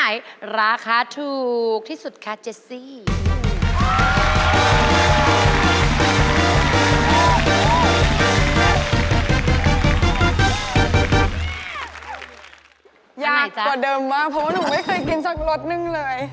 อยากกว่าเดิมมากเพราะว่าหนูไม่เคยกินสักรสนึงเลย